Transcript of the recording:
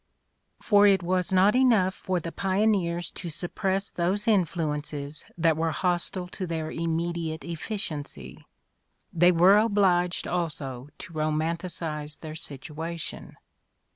For it was not enough for the pioneers to suppress those influences that were hostile to their immediate efSciency: they were obliged also to romanticize their situation.